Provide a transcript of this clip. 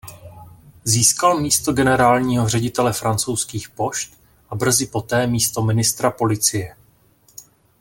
Získal místo generálního ředitele Francouzských pošt a brzy poté místo ministra policie.